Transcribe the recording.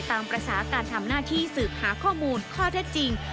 ตามภาษาการทำหน้าที่สืบหาข้อมูลข้อเท็จจริง